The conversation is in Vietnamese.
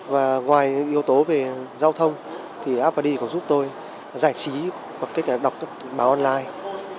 và ngoài yếu tố về giao thông thì vadi có giúp tôi giải trí hoặc đọc báo online